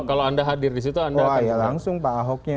kalau anda hadir di situ anda akan langsung pak ahoknya